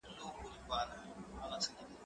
زه به اوږده موده ونې ته اوبه ورکړې وم!؟